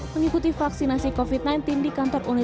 mengikuti vaksinasi covid sembilan belas di kantor universitas